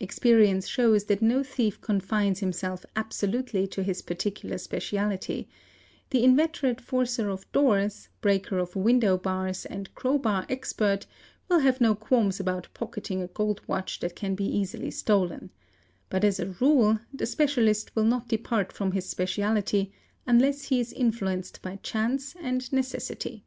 Experi ence shows that no thief confines himself absolutely to his particular _ speciality; the inveterate forcer of doors, breaker of windowbars, and _ crowbar expert will have no qualms about pocketing a gold watch that _ can be easily stolen; but as a rule the specialist will not depart from his _ speciality unless he is influenced by chance and necessity.